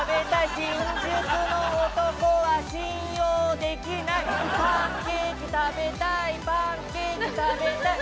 「新宿の男は信用できない」「パンケーキ食べたいパンケーキ食べたい」